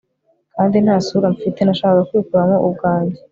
kandi nta sura mfite, nashakaga kwikuramo ubwanjye